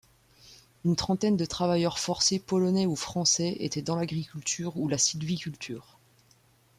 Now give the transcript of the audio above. Une trentaine de travailleurs forcés polonais ou français étaient dans l'agriculture ou la sylviculture.